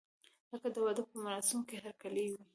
لکه د واده په مراسمو کې هرکلی وي.